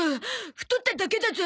太っただけだゾ。